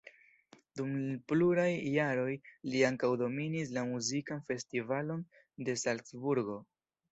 Dum pluraj jaroj li ankaŭ dominis la muzikan festivalon de Salcburgo.